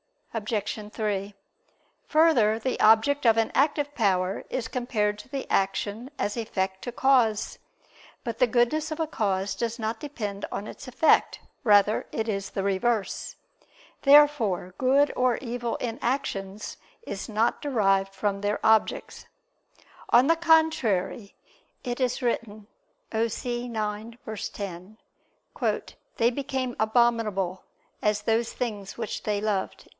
Obj. 3: Further, the object of an active power is compared to the action as effect to cause. But the goodness of a cause does not depend on its effect; rather is it the reverse. Therefore good or evil in actions is not derived from their object. On the contrary, It is written (Osee 9:10): "They became abominable as those things which they loved."